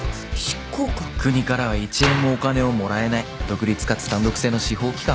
執行官？国からは一円もお金をもらえない独立かつ単独制の司法機関。